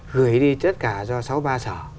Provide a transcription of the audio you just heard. gửi đi tất cả do sáu ba sở